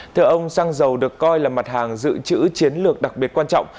thưa ông xăng dầu được coi là mặt hàng dự trữ chiến lược đặc biệt quan trọng